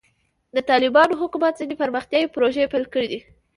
د طالبانو حکومت ځینې پرمختیایي پروژې پیل کړې.